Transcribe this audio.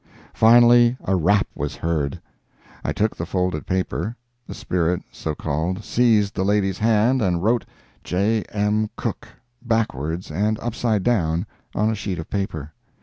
Finally a rap was heard. I took the folded paper; the spirit, so called, seized the lady's hand and wrote "J. M. Cooke" backwards and upside down on a sheet of paper.